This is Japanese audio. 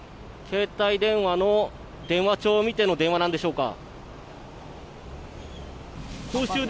携帯電話の電話帳を見ての電話なんでしょうか。